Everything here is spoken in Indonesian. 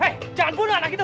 he jangan bunuh anak itu